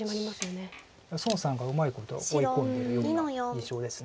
孫さんがうまいこと追い込んでるような印象です。